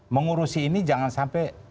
mengurusi ini jangan sampai